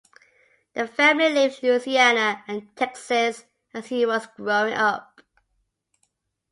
The family lived in Louisiana and Texas as he was growing up.